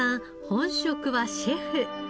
本職はシェフ。